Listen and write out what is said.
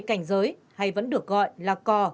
với cảnh giới hay vẫn được gọi là cò